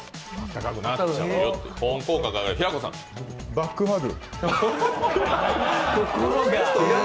バックハグ。